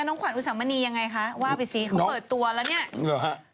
น้องขวัญอุสามณียังไงคะว่าไปสิเขาเปิดตัวแล้วเนี่ย